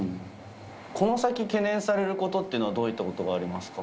この先、懸念されることっていうのは、どういったことがありますか。